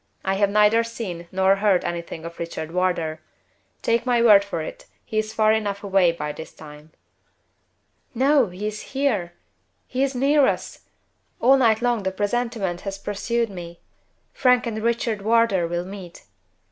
I have neither seen nor heard anything of Richard Wardour. Take my word for it, he is far enough away by this time." "No! He is here! He is near us! All night long the presentiment has pursued me Frank and Richard Wardour will meet."